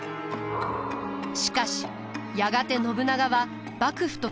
しかしやがて信長は幕府と決裂。